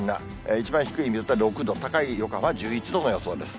一番低い水戸は６度、高い横浜は１１度の予想です。